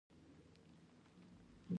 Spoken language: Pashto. لعل د افغانستان د جغرافیې بېلګه ده.